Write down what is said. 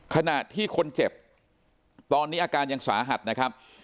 ขณะที่คนเจ็บตอนนี้อาการยังสาหัสนะครับ